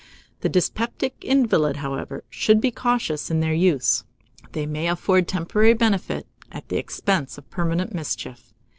The dyspeptic invalid, however, should be cautious in their use; they may afford temporary benefit, at the expense of permanent mischief.